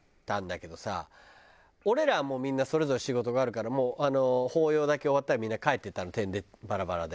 俺らはもうみんなそれぞれ仕事があるから法要だけ終わったらみんな帰っていったのてんでばらばらで。